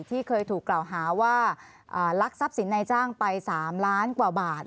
ที่เคยถูกกล่าวหาว่าลักทรัพย์สินในจ้างไป๓ล้านกว่าบาท